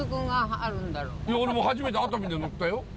俺も初めて熱海で乗ったよ。